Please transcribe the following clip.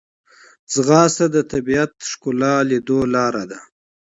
ځغاسته د طبیعت ښکلا لیدو لاره ده